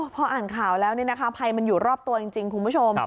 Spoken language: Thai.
พออ่านข่าวแล้วภัยมันอยู่รอบตัวจริงคุณผู้ชม